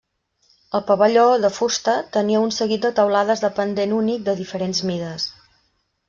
El pavelló, de fusta, tenia un seguit de teulades de pendent únic de diferents mides.